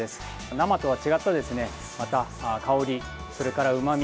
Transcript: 生とは違った香りそれから、うまみ。